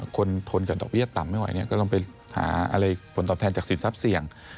ทนกับดอกเบี้ยต่ำไม่ไหวก็ต้องไปหาอะไรผลตอบแทนจากสินทรัพย์เสี่ยง